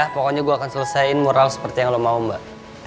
pokoknya gue akan selesaiin mural seperti yang lo mau mbak